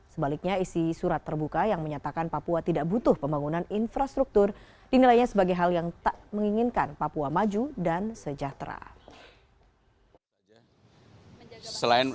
sebaliknya isi surat terbuka yang menyatakan papua tidak butuh pembangunan infrastruktur dinilainya sebagai hal yang tak menginginkan papua maju dan sejahtera